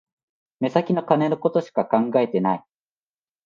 目先の金のことしか考えてない